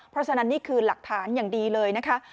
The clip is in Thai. เพราะฉะนั้นนี่คือหลักฐานอย่างดีเลยนะคะ